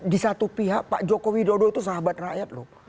di satu pihak pak joko widodo itu sahabat rakyat loh